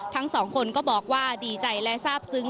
ทั้งสองคนก็บอกว่าดีใจและทราบซึ้ง